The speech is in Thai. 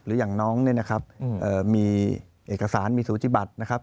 อย่างน้องเนี่ยนะครับมีเอกสารมีสูติบัตินะครับ